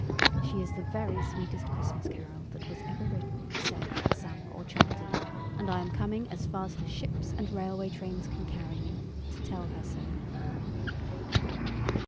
She is the very sweetest Christmas Carol that was ever written, said, sung or chanted, and I am coming, as fast as ships and railway trains can carry me, to tell her so."